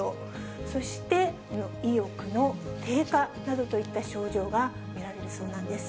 そして、意欲の低下などといった症状が見られるそうなんです。